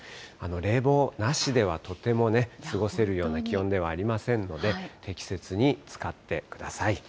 冷房なしではとてもね、過ごせるような気温ではありませんので、適切に使ってください。